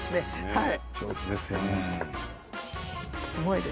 はい。